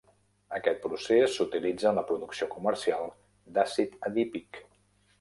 Aquest procés s'utilitza en la producció comercial d'àcid adípic.